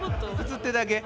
映ってるだけ？